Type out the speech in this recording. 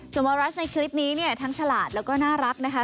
วารัสในคลิปนี้เนี่ยทั้งฉลาดแล้วก็น่ารักนะคะ